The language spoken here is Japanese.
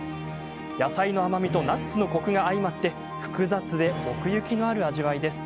野菜の甘みとナッツのコクが相まって複雑で奥行きのある味わいです。